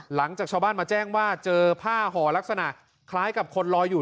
หลังจากชาวบ้านมาแจ้งว่าเจอผ้าห่อลักษณะคล้ายกับคนลอยอยู่